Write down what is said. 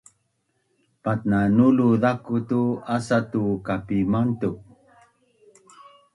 patnanulu zaku tu asa tu kapimantuk